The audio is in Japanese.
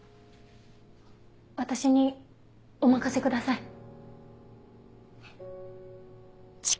私にお任せください。